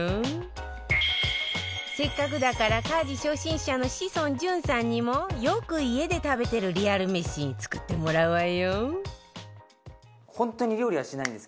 せっかくだから家事初心者の志尊淳さんにもよく家で食べてるリアル飯作ってもらうわよ